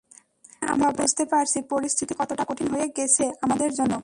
তবে আমি বুঝতে পারছি পরিস্থিতি কতটা কঠিন হয়ে গেছে আমাদের জন্য।